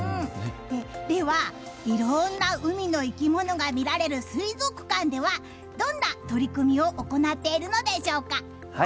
では、いろんな海の生き物が見られる水族館ではどんな取り組みを行っているのでしょうか？